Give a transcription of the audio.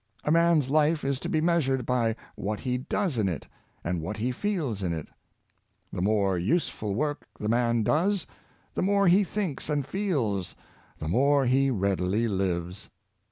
A man's life is to be measured by what he does in it, and what he feels in it. The more useful work the man does, and the more he thinks and feels, the more he readily lives.